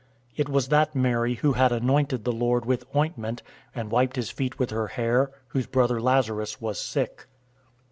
011:002 It was that Mary who had anointed the Lord with ointment, and wiped his feet with her hair, whose brother, Lazarus, was sick.